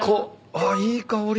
あっいい香り。